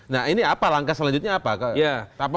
nah ini apa langkah selanjutnya apa